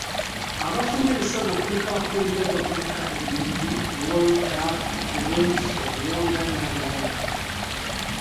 Abafunye ebisago kuliko; akulira abavubuka e Nebbi; Walter, Grace Owonda n'abalala.